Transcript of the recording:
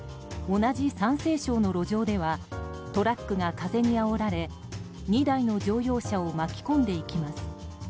同じ山西省の路上ではトラックが風にあおられ２台の乗用車を巻き込んでいきます。